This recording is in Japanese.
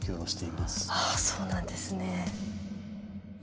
ああそうなんですね。